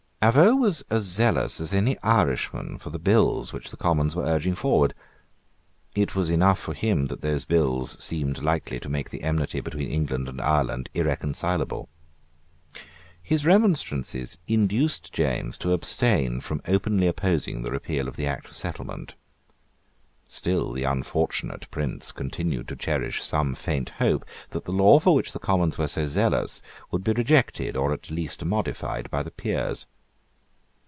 Avaux was as zealous as any Irishman for the bills which the Commons were urging forward. It was enough for him that those bills seemed likely to make the enmity between England and Ireland irreconcileable. His remonstrances induced James to abstain from openly opposing the repeal of the Act of Settlement. Still the unfortunate prince continued to cherish some faint hope that the law for which the Commons were so zealous would be rejected, or at least modified, by the Peers.